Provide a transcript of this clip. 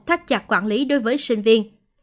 thắt chặt quản lý đối với sinh viên